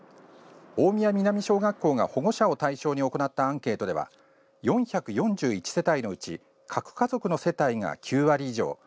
大宮南小学校が保護者を対象に行ったアンケートでは４４１世帯のうち核家族の世帯が９割以上。